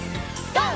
ＧＯ！